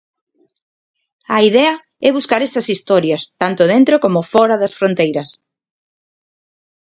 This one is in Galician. A idea é buscar esas historias, tanto dentro como fóra das fronteiras.